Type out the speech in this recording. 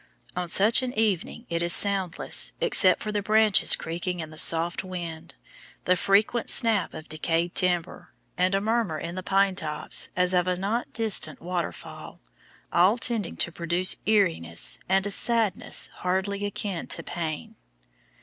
On such an evening it is soundless, except for the branches creaking in the soft wind, the frequent snap of decayed timber, and a murmur in the pine tops as of a not distant waterfall, all tending to produce EERINESS and a sadness "hardly akin to pain."